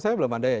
saya belum ada ya